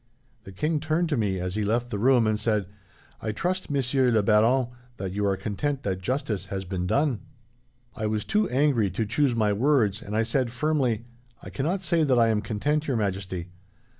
The king turned to me, as he left the room, and said, 'I trust, Monsieur le Baron, that you are content that justice has been done.' "I was too angry to choose my words, and I said firmly, 'I cannot say that I am content, Your Majesty.